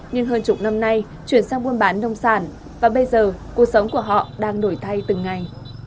nhưng hơn chục năm nay chuyển sang buôn bán nông sản và bây giờ cuộc sống của họ đang nổi thay từng ngày